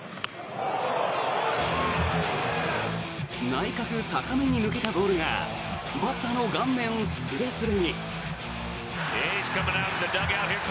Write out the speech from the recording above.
内角高めに抜けたボールがバッターの顔面すれすれに。